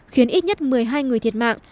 khiến ít nhất một mươi hai người thiệt mạng